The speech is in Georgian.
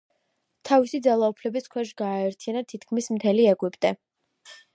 თავისი ძალაუფლების ქვეშ გააერთიანა თითქმის მთელი ეგვიპტე.